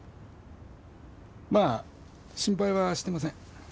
まあ心配はしてません。